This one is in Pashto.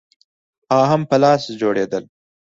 هغه هم په لاس جوړېدل